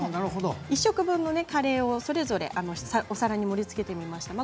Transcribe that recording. １食分のカレーをそれぞれお皿に盛りつけてみました。